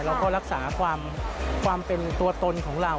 เราก็รักษาความเป็นตัวตนของเรา